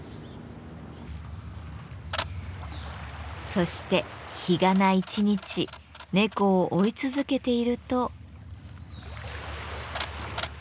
そして日がな一日猫を追い続けていると。